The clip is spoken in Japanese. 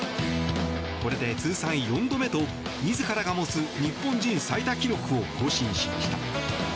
これで通算４度目と自らが持つ日本人最多記録を更新しました。